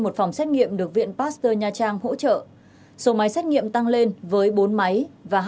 một phòng xét nghiệm được viện pasteur nha trang hỗ trợ số máy xét nghiệm tăng lên với bốn máy và